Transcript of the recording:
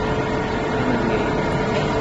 Canavieira